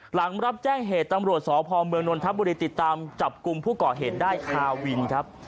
หลังรับแจ้งเหตุตำรวจสพเมืองนนทบุรีติดตามจับกลุ่มผู้ก่อเหตุได้คาวินครับ